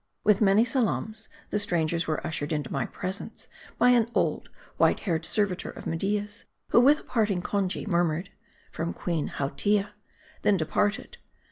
With many salams, the strangers were ushered into my presence by an old white haired servitor of Media's, who with a parting conge murmured, " From Queen Hautia," then departed.